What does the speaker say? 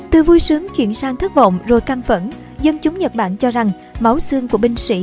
từ vui sướng chuyển sang thất vọng rồi căm phẫn dân chúng nhật bản cho rằng máu xương của binh sĩ